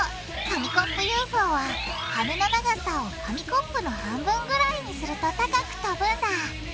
紙コップＵＦＯは羽の長さを紙コップの半分ぐらいにすると高く飛ぶんだ！